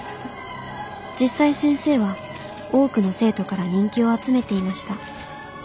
実際先生は多くの生徒から人気を集めていました。